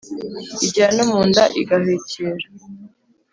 Igera no mu nda igahwekera: